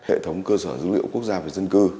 hệ thống cơ sở dữ liệu quốc gia về dân cư